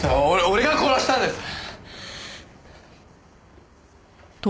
俺が殺したんです！